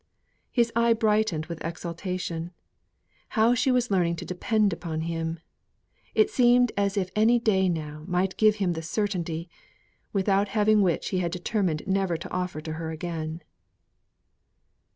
His eye brightened with exultation. How she was learning to depend upon him! It seemed as if any day now might give him the certainty, without having which he had determined never to offer to her again.